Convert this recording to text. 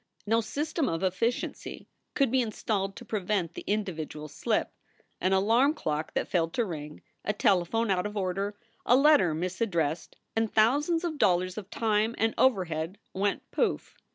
No system of efficiency could be installed to prevent the individual slip. An alarm clock that failed to ring, a telephone out of order, a letter mis addressed, and thousands of dollars of time and overhead went pouff!